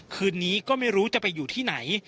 คืนนี้ก็ไม่รู้จะไปอยู่ที่ไหน